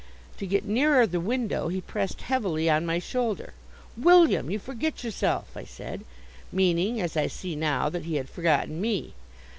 To get nearer the window, he pressed heavily on my shoulder. "William, you forget yourself!" I said, meaning as I see now that he had forgotten me.